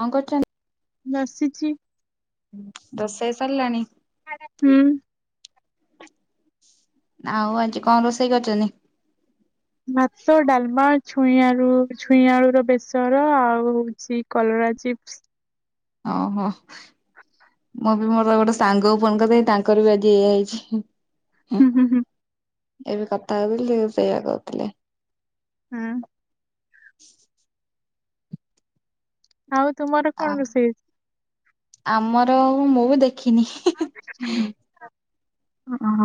କଣ କରୁଛନ୍ତି? ବସିଛି। ରୋଷେଇ ସରିଲାଣି? ହୁଁ। ଆଉ ଆଜି କଣ ରୋଷେଇ କରିଛନ୍ତି? ଭାତ ଡାଲମା ଛୁଇଁ ଆଳୁ ଛୁଇଁ ଆଳୁର ବେସର ଆଉ ହଉଛି କଲରା ଚିପ୍ସ। ଅ ହ। ମୁଁ ବି ମୋର ଗୋଟେ ସାଙ୍ଗ ଫୋନ କରିଥିଲି ତାଙ୍କର ବି ଆଜି ଏଇଆ ହେଇଛି। ହୁଁ ଏବେ କଥା ହଉଥିଲି ସେ ସେଇଆ କହୁଥିଲେ। ହାଁ। ଆଉ ତୁମର କଣ ଆ ରୋଷେଇ ଆମର ମୁଁ ବି ଦେଖିନି ହଁ ହ।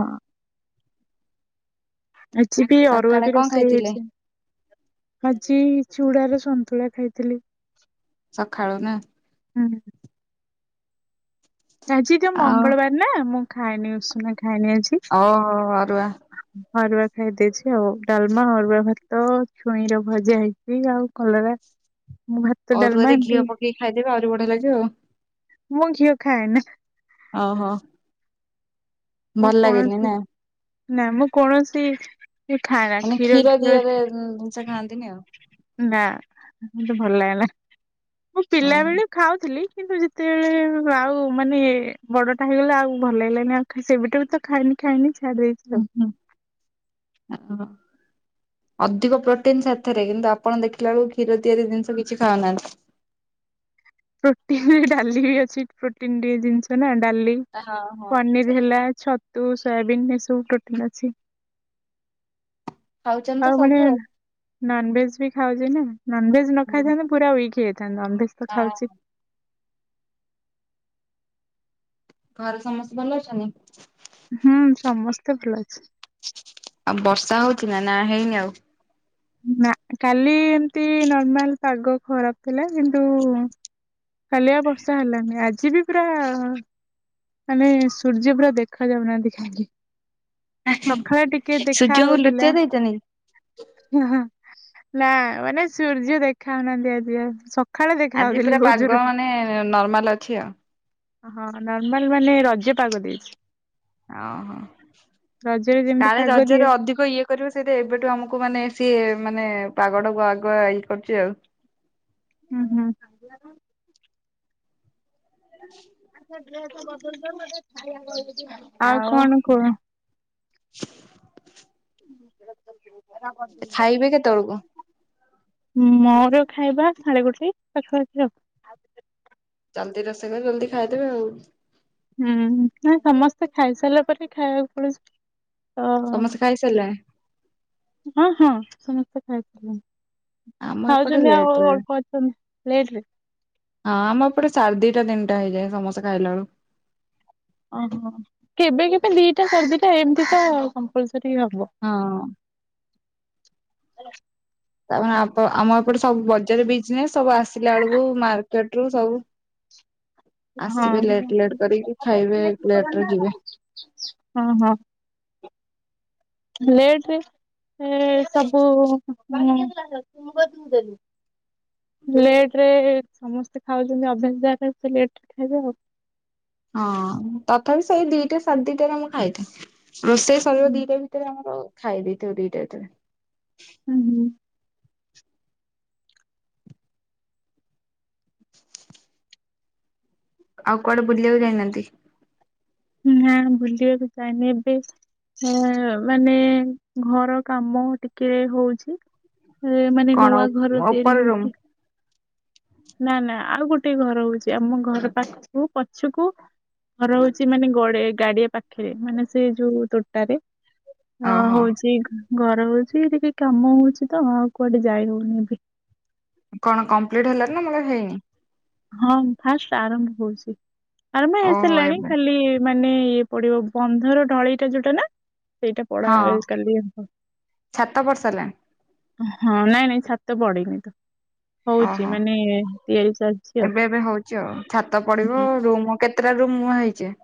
ଆଜି ବି ଅରୁଆ ସକାଳେ ବି କଣ ରୋଷେଇ ଖାଇଥିଲେ? ହେଇଛି। ଆଜି ଚୁଡାର ସନ୍ତୁଳା ଖାଇଥିଲି। ସଖାଳୁ ନା। ହୁଁ। ଆଜି ତ ଆଉ ମଙ୍ଗଳବାର ନା ମୁଁ ଖାଇଏନି ଉଷୁମ ଖାଇଏନି ଆଜି। ଓ ହୋ ଆରୁଆ। ଅରୁଆ ଖାଇ ଦେଇଛି ଆଉ ଡାଲମା ଅରୁଆ ଭାତ ଛୁଇଁର ଭଜା ହେଇଛି ଆଉ କଲରା ମୁଁ ଭା ଅରୁଆରେ ଘିଅ ପକେଇକି ଖାଇଦେବେ ଆହୁରି ବଢିଆ ଲାଗିବ ଆଉ। ମୁଁ ଘିଅ ଖାଏ ନା ଓହୋ ମୁଁ ଭଲ ଲାଗେନି କୌଣସି ନା। ନା ମୁଁ କୌଣସି ଖାଏ ନା ମାନେ କ୍ଷୀର ଘିଅ। ଦିହରେ ଜିନିଷ ଖାଆନ୍ତିନି ଆଉ। ନା ମତେ ଭଲ ଲାଗେନା ମୁଁ ଓହୋ ପିଲାବେଲେ ଖାଉଥିଲି କିନ୍ତୁ ଯେତେବେଳେ ଆଉ ମାନେ ବଡଟା ହେଇଗଲେ ଆଉ ଭଲ ଲାଗିଲାନି ଆଉ ସେବେଟାରୁ ତ ଖାଇନି ଖାଇନି ଛାଡି ଦେଇଛି। ଉ ଆଉ। ହଁ [inaudible] ଅଧିକ ପ୍ରୋଟିନ ସାଥିରେ କିନ୍ତୁ ଆପଣ ଦେଖିଲା ବେଳକୁ କ୍ଷୀର ତିଆରି ଜିନିଷ କିଛି ଖାଉନାହାନ୍ତି। ପ୍ରୋଟିନ ଡାଲି ବି ଅଛି ପ୍ରୋଟିନ ଟେ ଜିନିଷ ନା ଡାଲି ହଁ ହଁ ପନିର ସେତ ହେଲା। ଛତୁ ସୋୟାବିନ୍ ଏସବୁ ପ୍ରୋଟିନ୍ ଅଛି। ଖାଉଛନ୍ତି ତ ଆଉ ମାନେ ସବୁ ନନଭେଜ ବି ଖାଉଛି ନା ନନଭେଜ। ନ ଖାଇଥାନ୍ତେ ପୁରା ୱିକ୍ ହେଇଥାନ୍ତ ନନଭେଜ୍ ତ ହଁ ଖାଉଛି। ଘରେ ସମସ୍ତେ ଭଲ ଅଛନ୍ତି। ହୁଁ ସମସ୍ତେ ଭଲ ଅଛନ୍ତି। ଆଉ ବର୍ଷା ହଉଛି ନା ନା ହେଇନି ଆଉ। ନା କାଲି ଏମତି ନର୍ମାଲ ପାଗ ଖରାପ ଥିଲା କିନ୍ତୁ କାଲିଆଉ ବର୍ଷା ହେଲାନି ଆଜି ବି ପୁରା ମାନେ ସୂର୍ଯ୍ୟ ପୁରା ଦେଖା ଯାଉନାହାନ୍ତି କାହିଁକି? ସକାଳେ ଟିକେ ଦେଖା ସୂର୍ଯ୍ୟଙ୍କୁ ଲୁଚେଇ ହଉଥିଲା। ଦେଇଛନ୍ତି? କି? ନା ମାନେ ସୂର୍ଯ୍ୟ ଦେଖାହଉନାହାନ୍ତି ଆଜି ସ ଆଜି ପୁରା ପାଗ ମାନେ ନର୍ମାଲ ଅଛି ଆଉ। ହଁ ନର୍ମାଲ ମାନେ ରଜ ପାଗ ଦେଇଛି। ଓହୋ ରଜରେ ଯେମିତି କାଳେ ପାଗ ଦିଏ ରଜରେ ଅଧିକ ଇଏ କରିବୁ ସେଇଟା ଏବେଠୁ ଆମକୁ ମାନେ ସିଏ ମାନେ ପାଗଟାକୁ ଆଗୁଆ ଇଏ କରୁଛି ଆଉ। ଉ ହୁଁ। [inaudible] ଆଛା ଡ୍ରେସ ବଦଲେଇ ଦବୁ ଏଟାରେ ଖାଇଚୁ। ଆଉ କଣ କୁହ? ଖାଇବେ କେତେବେଳକୁ? [inaudible] ମୋର ଖାଇବା ସାଢେ ଗୋଟେ ପାଖପାଖି ଆଉ। ଜଲ୍ଦି ରୋସେଇ କରି ଜଲ୍ଦି ଖାଇଦେବେ ଆଉ। ହୁଁ ନା ସମସ୍ତେ ଖାଇ ସାରିଲା ପରେ ଖାଇବାକୁ ପଡୁଛି। ଓହୋ ସମସ୍ତେ ଖାଇସାରିଲେଣି? ହଁ ହଁ ସମସ୍ତେ ଖାଇଥିଲେ। ଆମ ଏପଟେ ଖାଉଛନ୍ତି ଆଉ ଲେଟରେ ଅଳ୍ପ ଅଛନ୍ତି ଲେଟରେ। ହଁ ଆମ ଏପଟେ ସାଢେ ଦିଟା ତିିନିଟାହେଇଯାଏ ସମସ୍ତେ ଖାଇଲା ବେଳକୁ। ଓହୋ କେବେ କେବେ ଦିଟା ସାଡେଦିଟା ଏମିତି ତ କମ୍ପଲସୋରି ହବ। ହଁ। ତାପରେ ଆମ ଏପଟେ ସବୁ ବଜାର ବିଜନେସ ସବୁ ଆସିଲା ବେଳକୁ ମାର୍କେଟ ରୁ ସବୁ [inaudible] ଆସିବେ ଲେଟ୍ ଲେଟ୍ କରିକି ହଁ ଖାଇବେ ଲେଟ ରେ ଯିବେ ହଁ ହଁ। ଲେଟ୍ ରେ ସବୁ ମାନେ ଲେଟରେ ସମସ୍ତେ ଖାଉଛନ୍ତି ଅଭ୍ୟାସ ଜାର ସେ ଲେଟରେ ଖାଇବ ଆଉ। ହଁ ତଥାପି ସେଇ ଦିଟା ସାଡେ ଦିଟାରେ ମୁ ଖାଇଦିଏ। ରୋଷେଇ ଶରୀବ ଦିଟା ଭିତରେ ଆମର ଖାଇ ଦେଇଥିବୁ ଦିଇଟା ଭିତରେ। ହୁଁ ହୁଁ। ଆଉ କୁଆଡେ ବୁଲିବାକୁ ଯାଇନାହାନ୍ତି? ନାଁ ନାବୁଲିବାକୁ ଯାଇନେ ଏବେ ହ ମାନେ ଘର କାମ ଟିକେ ହଉଛି। ଏ ମାନେ କଣ ନୂଆ ଘର ତିଆରି ଉପର ରୁମ୍ ହୋଉଛି। ନା ନା ଆଉ ଗୋଟେ ଘର ହଉଛି ଆମ ଘର ପାଖକୁ ପଛକୁ ଘର ହଉଛି। ସେ ମାନେ ଗ ଗାଡିଆ ପାଖରେ ମାନେ ସେ ଯୋଉ ତୋଟାରେ ଅ ଓହୋ ହଉଛି। ଘର ହଉଛି ଟିକେ କାମ ହଉଛି ତ ଆଉ କୁଆଡେ ଯାଇ ହଉନି ଏବେ। କଣ କମ୍ପ୍ଲିଟ ହେଲାନି ନା ମାନେ ହେଇନି? ହଁ ଫାଷ୍ଟ ଆରମ୍ଭ ହଉଛି ଆରମ୍ଭ ଓହୋ ହେଇସାରିଲାଣି ଏବେ ଖାଲି ମାନେ ଇଏ ପଡିବ ବନ୍ଧର ଢଳେଇଟା ଯୋଉଟା ନା? ସେଇଟା ପଢା ହଁ କାଲି ଛାତ ପଡି ସାରିଲାଣି ହଁ ନାଇଁ ନାଇଁ ଛାତ ପଡିନି ତ ହଉଛି ଓହୋ ମାନେ ଲେ ସା ଏବେ ଏବେ ହଉଛି ଆଉ ଛାତ ପଡିବ ରୁମ କେତେଟା ରୁମ ହେଇଛ?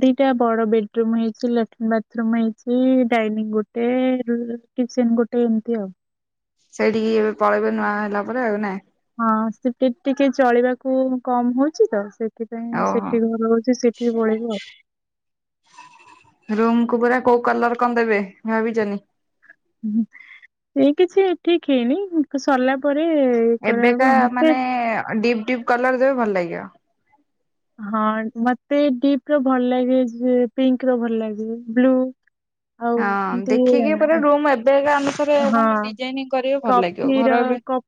ଦିଟା ବଡ ବେଡରୁୁମ ହେଇଛି ଲାଟ୍ରିନ୍ ବାଥରୁମ ହେଇଛି ଡାଇନିଂ ଗୋଟେ ଗେ କିଚେନ ଗୋଟେ ଏମିତି ଆଉ ସେଇଠିକି ଏବେ ପଳେଇବେ ନୂଆ ହେଲା ପରେ ଆଉ ନାଁ? ହଁ ସେଠି ଟିକେ ଚଳିବାକୁ କମ ହଉଛି ତ ସେ ସେଥିପାଇଁ ଓହୋ ସେଠି ଘର ସଉଛି ସେଠି ପଳେଇବ ଆଉ। ରୁମ୍ କୁ ପୁରା କୋଉ କଲର କଣ ଦେବେ ଭାବିଛନ୍ତି? ହ ସେଇ କିଛି ଠିକ ହେଇନି ସରିଲା ପରେ ଇଏ କରାହେବ ମତେ ହେ ଡିପ ଡିପ। କଲର ଦେବେ ଭଲ ଲାଗିବ। ହଁ ମତେ ଡିପ ର ଭଲ ଲାଗେ ପିଙ୍କ ର ଭଲ ଲାଗେ ବ୍ଲୁ। ଆଉ ହଁ ଏମତି ଦେଖିକି ପୁରା ରୁମ ଏବେ ରେ ହଁ ମାନେ ଡିଜାଇନିଂ କରିବେ ଭଲ ଲାଗିବ କଫିର ଘର ଏବେ କ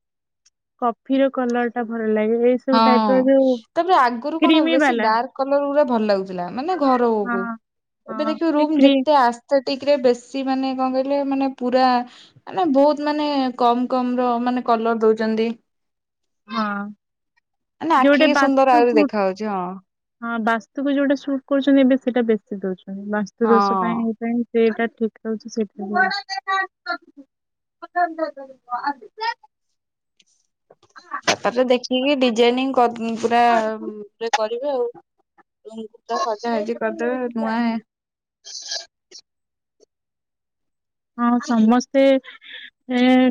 କଫିର କଲର ଟା ଭଲ ଲାଗେ ଏଇ ହଁ ସବୁ ଟାଇପ ର ଯୋଉ ତାପରେ ଆଗରୁ କଣ ହ କ୍ରିମି ବେଶୀ ବାଲା। ଡାର୍କ କଲର ଗୁଡା ଭଲ ଲାଗୁଥିଲା ମାନେ ଘରଅ ହଁ କ ଏବେ ହଁ ଦେଖିବ ଏ ରୁମ କ୍ରି ଯେତେ ଆସ୍ଥେଟିକରେ ବେଶୀ ମାନେ କଣ କହିଲେ ମାନେ ପୁରା ମ ବହୁତ ମାନେ କମ କମ ର ମାନେ କଲର ଦଉଛନ୍ତି। ହଁ। ମାନେ ଯୋଉଟା ଆଖି ସୁନ୍ଦର ଆହୁରି ବାସ୍ତୁକୁ ଦେଖା ହାଉଛି ହଁ। ହଁ ବାସ୍ତୁକୁ ଯୋଉଟା କରୁଛନ୍ତି ଏବେ ସେଇଟା ବେଶୀ ଦଉଛନ୍ତି ବାସ୍ତୁ ଦୋଷ ହଁ। ପାଇଁ ଏଇ ସେଟା ଠିକ ରହୁଛି ସେଟା [unintelligible] ତାପରେ ଦେଖିକି ଡିଜାଇନିଂ ପୁରା କରିବେ ଆଉ। ପୁରା ସଜା ସୁଜି କରିଦେବେ ନୂଆ ହଁ ସମସ୍ତେ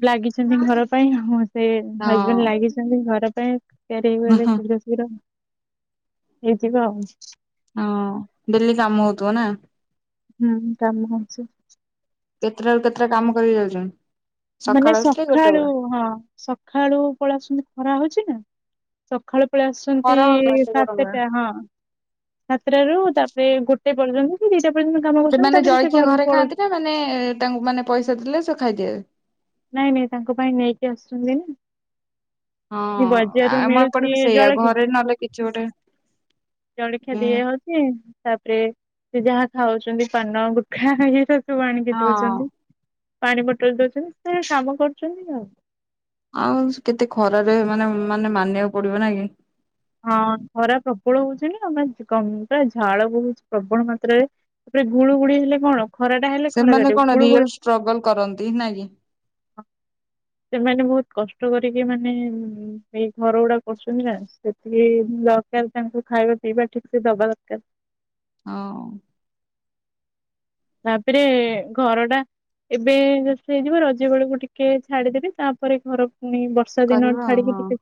ଲାଗିଛନ୍ତି ଘର ପାଇଁଁ ସେ ହଜବେଣ୍ଡ ହଁ ଲାଗି ଘର ପାଇଁ ତିଆରି ହେ ଏବେ ଶୀଘ୍ର ଶୀଘ୍ର ହେଇଯିବ ଆଉ। ହଁ ଡେଲି କାମ ହଉଥିବ ନା? ହୁଁ ହୁଁ କାମ ଅଛି। କେତେଟା ରୁ କେତେଟା କାମ କରି ଯାଉଛନ୍ତି? ମାନେ ସକାଳୁ ଆସିଲେ ଗୋଟେ ସଖଳୁ ବେଳେ ହଁ ସଖଳୁ ପଳତି ଖରା ହଉଛି ନା? ସକାଳୁ ପଳେଇ ଆସୁଛନ୍ତି ଖରା ହଉନି ଏତେ ଗରମ ରେ ସାତଟା ହଁ। ସାତଟା ରୁ ତାପରେ ଗୋଟେ ପର୍ଯ୍ୟନ୍ତ ସେ ଦିଟା ପର୍ଯ୍ୟନ୍ତ କାମ କରୁଛନ୍ତି ସେମାନେ ତାପରେ ସେ ଜଳଖିଆ ଘରକୁ ଘରେ ପଳଉ ଖାଆନ୍ତି ନା ମାନେ ତାଙ୍କୁ ମାନେ ପଇସା ଦେଲେ ସେ ଖାଇଦିଆ। ନାଇଁ ନାଇଁ ତାଙ୍କ ପାଇଁ ନେଇକି ଆସୁଛନ୍ତି ନା। ହଁ ବଜାରରୁ ଆମ ଏପଟେ ମିଳୁଛି ବି ସେଇଆ ଜଳଖିଆ ଘରେ ନହେଲେ କିଛି ଗୋଟେ ଜଳଖିଆ ଦିଏ ହଉ ତାପରେ ସେ ଯାହା ଖାଉଛନ୍ତି ପାନ ଗୁଟା ଇଏ ର ସୁ ଆଣିକି ହଁ ଦଉଛନ୍ତି ପାଣି ବୋଟଲ ଦଉଛନ୍ତି ସେ କାମ କରୁଛନ୍ତି ଆଉ। ଆଉ କେତେ ଖରାରେ ମାନେ ମାନେ ମାନିବାକୁ ପଡିବ ନା କି? ହଁ ଖରା ପ୍ରବଳ ହଉଚନି ଆମୋ ଝାଳ ବହୁଛି ପ୍ରବଳ ମାତ୍ରାରେ। ଏଟ ଗୁ ଗୁଡି ହେଲେ କଣ ଖରା ଟା ହେଲେ ଖରା ସେମାନେ କାଟିବ କଣ ଗୁଳୁ ରିଏଲ ଗୁଳି ଷ୍ଟ୍ରଗଲ କରନ୍ତି ନ କିି? ସେମାନେ ବହୁତ କଷ୍ଟ କରିକି ମାନେ ଏଇ ଘର ଗୁଡା କରଛନ୍ତି ନା, ସେଥିପାଇଁ। ସେ ଦରକାର ତାଙ୍କୁ ଖାଇବା ପିଇବା ଠିକ ସେ ଦବା ଦରକାର। ହଁ ତାପରେ ଘର ଟା ଏବେ [unintelligible] ହେଇଯିବ ରଜ ବେଳକୁ ଟିକେ ଛାଡିଦେବେ ତାପର ଘର ପୁନି ବ ବର୍ଷା ଦିନ କରିବା ଆଉ ଛାଡିକି ହଁ ଟିକେ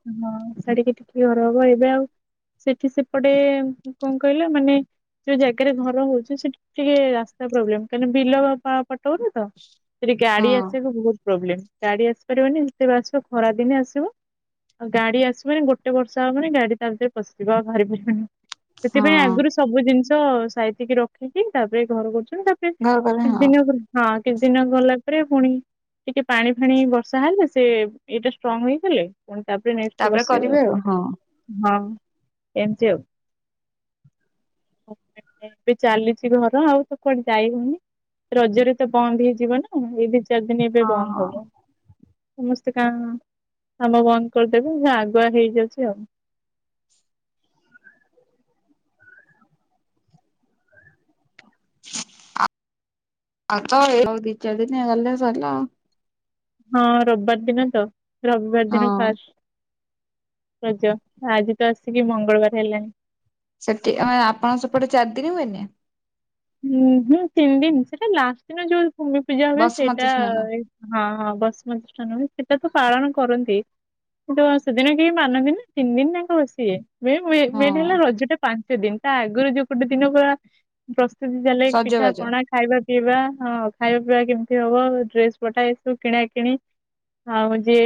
ଛାଡିକି ଟିକେ ଘର ହବ ଏବେ ଆଉ। ସେଠି ସେପଟେ କଣ କହିଲା ମାନେ ଯୋଉ ଜାଗାରେ ଘର ହଉଛି ସେଠି ଟିକେ ରାସ ପ୍ରବ୍ଲେ କାଁ ବିଲ ପଟଉନ ତ ସେଠି ଗାଡି ହଁ ଆସିବାକୁ ବହୁତ ପ୍ରୋବ୍ଳବମ। ଗାଡି ଆସିପାରିବନି ଯେତେବେଳେ ତେବେ ଆସିବ ଖରା ଦିନେ ଆସିବ। ଆଉ ଗାଡି ଆସିବନି ଗୋଟେ ବର୍ଷ ହବାନି ଗାଡି ତା ଭିତରେ ପଶିିବ ଆଉ ପାରିବନି। ସେଥିପାଇଁ ହଁ ଆଗରୁ ସବୁ ଜିନିଷ ସାଇତିକି ରଖିକି ତାପରେ ଘର କରୁଚୁ। ଘର କଲେ କିଛି ଦିନ ହଁ କିଛି ଦିନ ଗଲା ପରେ ପୁଣି ଟିକେ ପାଣି ଫାଣି ବର୍ଷା ହେଲେ ସେ ଏଇଟା ଷ୍ଟ୍ରଙ୍ଗ ହେଇଗଲେ ପୁଣି ତାପରେ ନେଷ୍ଟ ବସେଇବୁ। କରିବେ ଆଉ ହଁ। ଆଉ ହଁ ଏମିତି ଆଉ। ଏବେ ଚାଲିଛି ଘର ଆଉ ତ କୁଆଡେ ଯାଇ ହଉନି ରଜରେ ତ ବନ୍ଦ ହେଇଯିବ ନା। ହ ଏଇ ଦିଇ ଚାରି ଦିନ ଏବେ ହଁ ବନ୍ଦ ହଁ ହବ। ସମସ୍ତେ କା କାମ ବନ୍ଦ କରିଦେବେ ଯ ଆଗୁଆ ହେଇଯାଉଛି ଆଉ। ଆ ଅ ଦି ଚାରଦିନ ଗଲେ ସଇଲା। ହଁ ରବିବାର ଦିନ ତ ରବିବାର ଦିନ ହଁ। ଫାଷ୍ଟ। ରଜ, ଆଜି ତ ଆସିକି ମଙ୍ଗଳବାର ହେଲାଣି। ସେଠିେ ଆପଣ ସେପଟେ ଚାରିଦିନ ହୁଏନି? ହଁ ହଁ ତିନି ଦିନ ସେଇଟା ଲାଷ୍ଟ ଦିନ ଯୋଉ ଭୂମି ପୂଜା ହ ବସୁମତୀ ସେଇଟା ସ୍ନାନ ହୁଏ। ହଁ ହଁ ବସ ମ ସେଟା ତ ପାଳଣ କରନ୍ତି। କିନ୍ତୁ ସେଦିନ କେହି ମାନନ୍ତି ନା ତିନି ଦିନ ତାକ ବସିବେ। ମେନ୍ ହେଲା ହଁ। ରଜ ଟା ପାଞ୍ଚ ଦିନ ତା ଆଗରୁ ଯୋଉ ଗୋଟେ ଦିନ ପୁରା ଦେଲେ ପିଠା ସଜବାଜ ପଣା ଖାଇବା ପିଇବା ହଁ ଖାଇବା ପିଇବା କେମିତି ହବ ଡ୍ରେସ ପଟା ଏସବୁ କିଣା କିଣି। ଆଉ ଯିଏ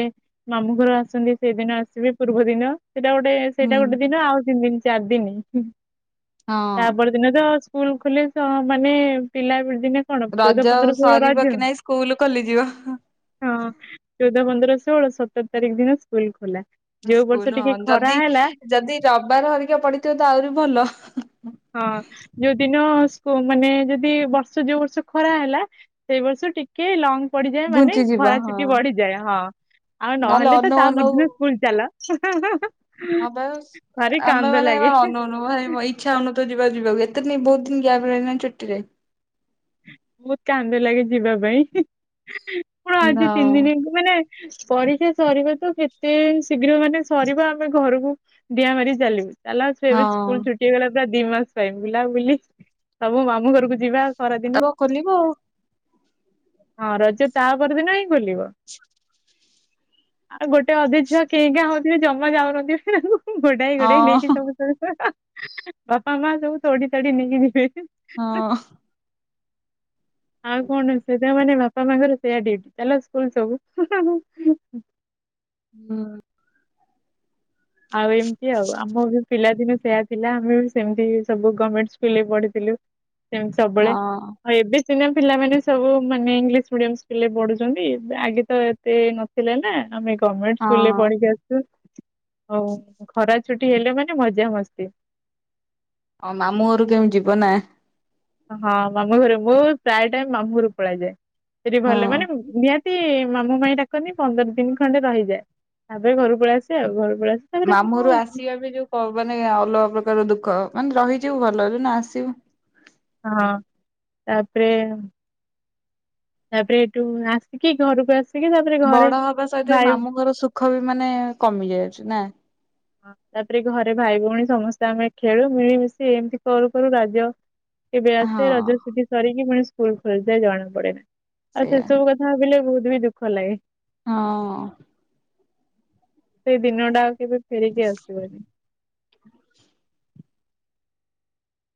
ମାମୁଁ ଘର ଆସନ୍ତି ସେଇଦିନ ଆସିବେ ପୂର୍ବ ଦିନ ସେଇଟା ଗୋଟେ ହୁଁ ସେଇଟା ଗୋଟେ ଦିନ ଆଉ ତିନି ଦିନ ଚାରି ଦିନ। ହଁ ତାପ ଦିନ ତ ସ୍କୁଲ ଖୋଲେ ତ ମାନେ ପିଲା ଦିନେ କଣ ଚଉଦ ରଜ ପନ୍ଦର ଷୋହଳ ସରିବ ରଜ କି ନାଇଁ ସ୍କୁଲ ଖୋଲିଯିବ। ହଁ ଚଉଦ, ପନ୍ଦର, ଷୋହଳ, ସତର ତାରିଖ ଦିନ ସ୍କୁଲ ଖୋଲା। ଯୋଉ ସ୍କୁଲ ବର୍ଷ ହଁ ଟିକେ ଖରା ଯଦି ହେଲା ଯଦି ରବିବାର ହରିକା ପଡିଥିବ ତ ଆହୁରି ଭଲ। ହଁ ଯୋଉଦିନକୁ ସ୍କୁ ମାନେ ଯଦି ବର୍ଷ ଯୋଉ ବର୍ଷ ଖରା ହେଲା ସେଇ ବର୍ଷ ଟି କେ ଲଙ୍ଗ ପଡିଯାଏ ମାନେ ଘୁଞ୍ଚିଯିବ ଖରା ହଁ ଚୁଟି ବଢିଯାଏ ହଁ ଆଉ ନହେଲେ ତ ଅନଉ ଅନଉ ତାପଦିନ ସ୍କୁଲ ଚାଲ। ହଁ ପା, ଭାରି ଆମେ କାନ୍ଦ ମାନେ ଏ ଲାଗେ [unintelligible] [unintelligible] ଇଛ ହଉନଥିବ ଯିବା ଯିବାକୁ। ଏତେ ଦିନ ବହୁତ ଦିନ ଗ୍ୟାପ ରହିଲାନି ଛୁଟିରେ। ବହୁତ କାନ୍ଦ ଲାଗେ ଯିବା ପାଇଁ, କଣ ହଁ ଆଜି ତିନି ଦିନ ମାନେ ପରୀକ୍ଷା ସରିବା ତ କେତେ ଶୀଘ୍ର ମାନେ ସରିବା ଆମେ ଘରକୁ ଡିଆଁ ମାରି ଚାଲିିବୁ। ଚାଲ ଛୁଏ ଏବେ ସ୍କୁଲ ହଁ। ଛୁଟି ହେଇଗଲା ପୁରା ଦି ମାସ ପାଇଁ ବୁଲାବୁଲି ସବୁ ମାମୁଁ ଘରକୁ ଯିବା। ଖରାଦିନେ ତାପ ଖୋଲିବ ହଁ ରଜ ତା ପରଦିନ ଇଁ ବୁଲିବ ଆଉ ଗୋଟେ ଅଧେ ଛୁଆ କେଁ କେଁ ହଉଥିବେ ଜମା ଯାଉନଥିବେ ଘୋଡ଼ାଇ ଗୋଡ଼ାଇ ଆଉ ନେଇକି ହଁ ସବୁ ସୁ ହାଁ ହାଁ ବାପା ମା ସବୁ ତଡ଼ି ତାଡ଼ି ନେଇକି ଯିବେ। ହଁ। ଆଉ କଣ ସେ ତା ମାନେ ବାପା ମାଙ୍କର ସେଇଆ ଡିଉଟି ଚାଲ ସ୍କୁଲ ସବୁ। ହୁଁ। ଆଉ ଏମିତି ଆଉ ଆମ ବି ପିଲାଦିନ ସେୟା ଥିଲା ଆମେ ବି ସେମିତି ସବୁ ଗମେଣ୍ଟ ସ୍କୁଲରେ ପଢ଼ିଥିଲୁ। ସେମିତି ସବୁବେଳେ ଆଉ ଏବେ ସିନା ପିଲାମାନେ ସବୁ ମାନେ ଇଂଲିଶ ମିଡିୟମ ସ୍କୁଲ ରେ ପଢୁଚନ୍ତି ଆଗେ ତ ଏତେ ନ ଥିଲା ନା ଆମେ ଗମେଣ୍ଟ ହଁ ସ୍କୁଲ ରେ ପଢ଼ିକି ଆସିଛୁ। ହଉ ଖରା ଛୁଟି ହେଲେ ମାନେ ମଜା ମସ୍ତି। ଆଉ ମାମୁଁ ଘରକୁ କେବେ ଯିବ ନା? ହଁ ମାମୁଁ ଘରେ ମୁଁ ପ୍ରାୟ ଟାଇମ ମାମୁଁ ଘରୁ ପଳେଇଯାଏ ସେଠି ହଁ। ଗଲେ ମାନେ ମୁଁ ନିହାତି ମାମୁଁ ମାଇଁ ଡାକନ୍ତି ପନ୍ଦର ଦିନି ଖଣ୍ଡେ ରହିଯାଏ। ତାପରେ ଘରୁକୁ ପଳେଇ ଆସେ ଆଉ ଘରକୁ ପଳେଇ ଆସେ ତାପରେ ମାମୁଁ ମୁଁ ଘରୁ ହଁ ଆସିବା ବି ଯୋଉଁ ମାନେ ଅଲଗା ପ୍ରକାର ଦୁଃଖ ମାନେ ରହିଯିବୁ ଭଲ ଯୋଉଁ ଦିନ ଆସିବୁ ହଁ ତାପରେ ତାପରେ ହେଠୁ ଆସିକି ଘରକୁ ଆସି ବଡ଼ ହେବା ସହିତ ମାମୁଁ ଘର ସୁଖ ବି ମାନେ କମି ଯାଉଛି ନା? ତାପରେ ଘରେ ଭାଇ ଭଉଣୀ ସମସ୍ତେ ଆମେ ଖେଳୁ ମିଳିମିଶି ଏମିତି କରୁ କରୁ ରଜ କେବେ ଆସେ ହଁ। ରଜ ଛୁଟି ସରିକି ପୁଣି ସ୍କୁଲ ଖୋଲିଯାଏ ଜଣା ପଡ଼େନା ଆଉ ସେଇଆ ସେସବୁ କଥା ଭାବିଲେ ବହୁତ ବି ଦୁଃଖ ଲାଗେ। ହଁ। ସେଇ ଦିନ ଟା ଆଉ କେବେ ଫେରିକି ଆସିବନି।